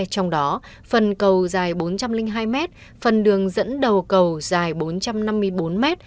trong đó phần cầu dài bốn trăm linh hai m phần đường dẫn đầu cầu dài bốn trăm năm mươi bốn m